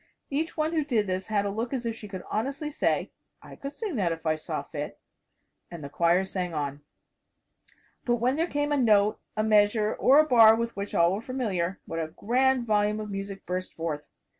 Each one who did this had a look as if she could honestly say, "I could sing that if I saw fit" and the choir sang on. But when there came a note, a measure or a bar with which all were familiar, what a grand volume of music burst forth.